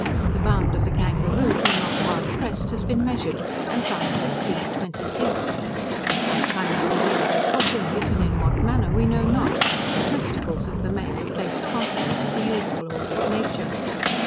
The bound of the kangaroo, when not hard pressed, has been measured, and found to exceed twenty feet. At what time of the year they copulate, and in what manner, we know not: the testicles of the male are placed contrary to the usual order of nature.